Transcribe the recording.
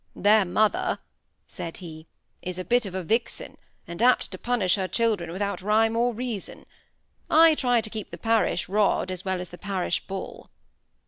"Their mother," said he, "is a bit of a vixen, and apt to punish her children without rhyme or reason. I try to keep the parish rod as well as the parish bull."